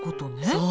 そう！